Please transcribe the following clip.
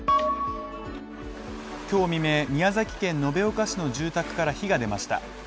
今日未明、宮崎県延岡市の住宅から火が出ました。